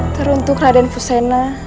teruntuk raden fusena